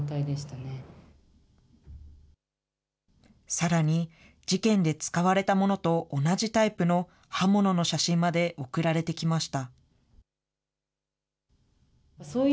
さらに、事件で使われたものと同じタイプの刃物の写真まで送られてきました。